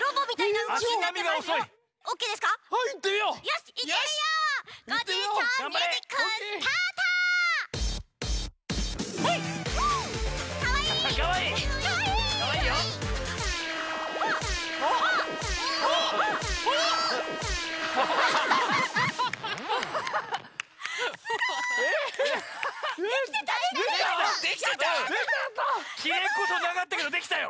やったやった！キレこそなかったけどできたよ。